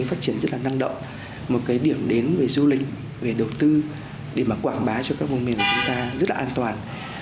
phát triển rất là năng động một cái điểm đến về du lịch về đầu tư để mà quảng bá cho các vùng miền của chúng ta rất là an toàn